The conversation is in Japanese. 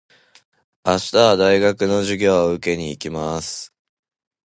明日は大学の授業を受けに行きます。